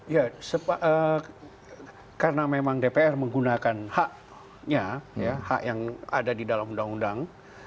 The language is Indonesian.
ya karena memang dpr menggunakan haknya hak yang ada di dalam undang undang